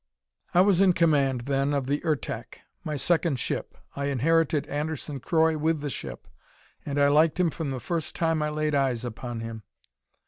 I was in command, then, of the Ertak, my second ship. I inherited Anderson Croy with the ship, and I liked him from the first time I laid eyes upon him.